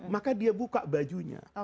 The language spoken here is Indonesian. maka dia buka bajunya